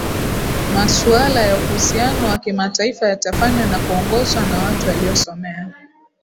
Masuala ya uhusiano wa kimataifa yatafanywa na kuongozwa na watu waliosomea